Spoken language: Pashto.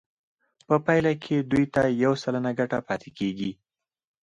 په پایله کې دوی ته یو سلنه ګټه پاتې کېږي